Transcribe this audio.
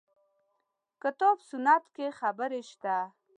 کتاب سنت کې خبرې شته.